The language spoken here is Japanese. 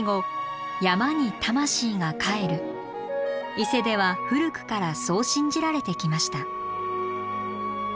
伊勢では古くからそう信じられてきました。